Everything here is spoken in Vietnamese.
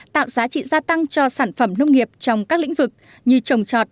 tạo giá trị gia tăng cho sản phẩm nông nghiệp trong các lĩnh vực như trồng trọt